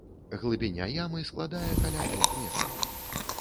Глыбіня ямы складае каля трох метраў.